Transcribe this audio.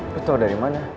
lo tau dari mana